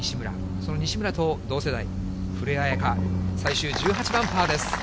その西村と同世代、古江彩佳、最終１８番、パーです。